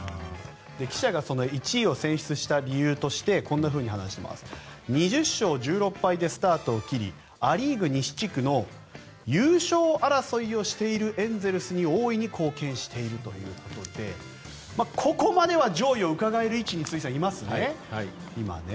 記者が１位を選出した理由として２０勝１６敗でスタートを切りア・リーグ西地区の優勝争いをしているエンゼルスに大いに貢献しているということでここまでは上位をうかがえる位置にいますね。